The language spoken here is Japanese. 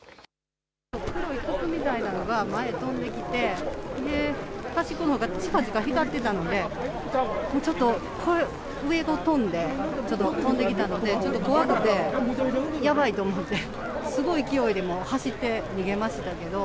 黒い筒みたいなのが前に飛んできて端っこのほうがチカチカ光ってたので、上を飛んできたのでちょっと怖くて、やばいと思って、すごい勢いで走って逃げましたけど。